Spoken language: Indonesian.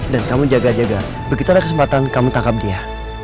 dan kamu jaga jaga begitu ada kesempatan kamu tangkap dia